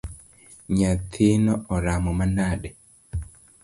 Nyathino oramo manade?